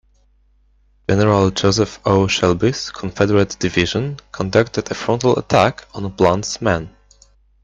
General Joseph O. Shelby's Confederate division conducted a frontal attack on Blunt's men.